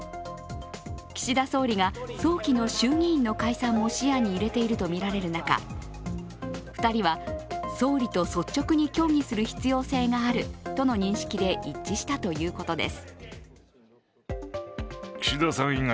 岸田総理が早期の衆議院の解散も視野に入れているとみられる中、２人は総理と率直に協議する必要性があるとの認識で一致したということです。